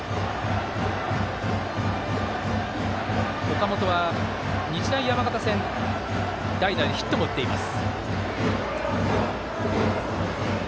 岡本は日大山形戦代打でヒットも打っています。